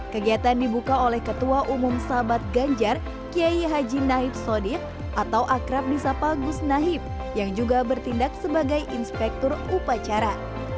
kegiatan dibuka oleh ketua umum sahabat ganjar kiai haji nahib sodir atau akrab di sapa gus nahib yang juga bertindak sebagai inspektur upacara